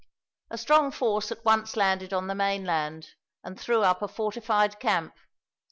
A strong force at once landed on the mainland, and threw up a fortified camp.